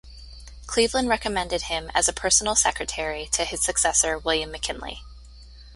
Cleveland recommended him as a personal secretary to his successor, William McKinley.